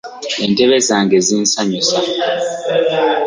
Entebe zange zinsanyusa.